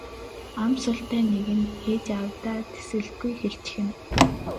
Ам султай нэг нь ээж аавдаа тэсгэлгүй хэлчихнэ.